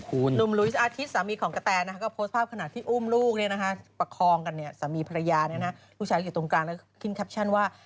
รูมลุยส์อาทิตส์สามีของกะแตนนะครับก็โพสต์ภาพขนาดที่อุ้มลูกเนี่ยนะคะประคองกันเนี่ยสามีภรรยาเนี่ยนะลูกชายอยู่ตรงกลางแล้วคิดแคปชั่นว่า